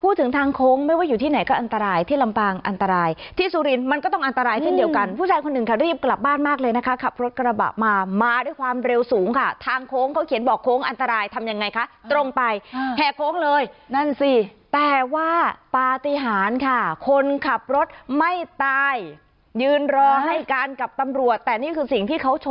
ทางโค้งไม่ว่าอยู่ที่ไหนก็อันตรายที่ลำปางอันตรายที่สุรินทร์มันก็ต้องอันตรายเช่นเดียวกันผู้ชายคนหนึ่งค่ะรีบกลับบ้านมากเลยนะคะขับรถกระบะมามาด้วยความเร็วสูงค่ะทางโค้งเขาเขียนบอกโค้งอันตรายทำยังไงคะตรงไปแห่โค้งเลยนั่นสิแต่ว่าปฏิหารค่ะคนขับรถไม่ตายยืนรอให้การกับตำรวจแต่นี่คือสิ่งที่เขาโช